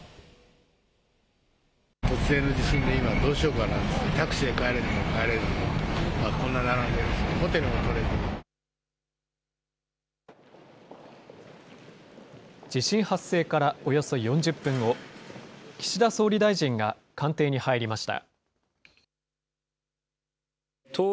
地震発生からおよそ４０分後、岸田総理大臣が官邸に入りました。